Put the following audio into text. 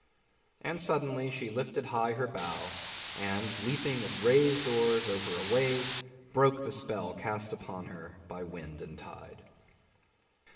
And suddenly she lifted high her bow, and, leaping with raised oars over a wave, broke the spell cast upon her by the wind and tide.